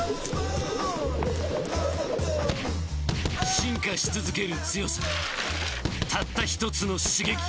進化しつづける強さたったひとつの刺激